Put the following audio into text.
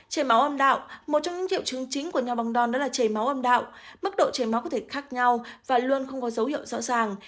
trầy máu âm đạo một trong những triệu chứng chính của nho bong non đó là trầy máu âm đạo mức độ trầy máu có thể khác nhau và luôn không có dấu hiệu rõ ràng